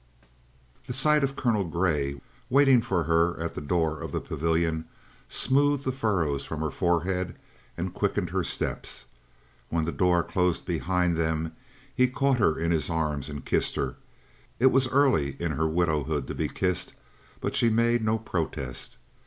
The sight of Colonel Grey, waiting for her at the door of the Pavilion, smoothed the furrows from her forehead and quickened her steps. When the door closed behind them he caught her in his arms and kissed her. It was early in her widowhood to be kissed, but she made no protest.